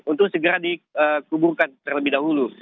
untuk segera dikuburkan terlebih dahulu